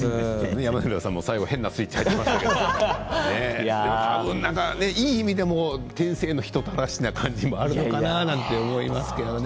山寺さんも最後、変なスイッチ入っていましたけどいい意味でも天性の人たらしな感じもあるのかな、なんて思いますけどね。